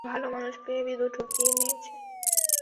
ভালোমানুষ পেয়ে বিধু ঠকিয়ে নিয়েচে।